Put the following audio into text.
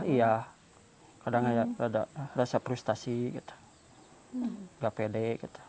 iya kadang ada rasa frustasi tidak pede